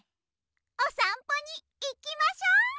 おさんぽにいきましょ！